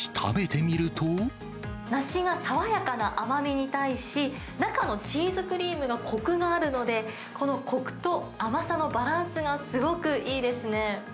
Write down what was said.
梨が爽やかな甘みに対し、中のチーズクリームがこくがあるので、このこくと甘さのバランスが、すごくいいですね。